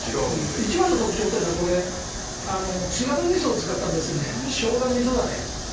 一番の特徴は津軽みそを使ったショウガみそダレ。